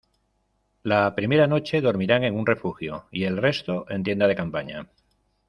La primera noche dormirán en un refugio y el resto en tienda de campaña.